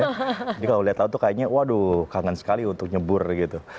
jadi kalau lihat laut tuh kayaknya waduh kangen sekali untuk nyebur gitu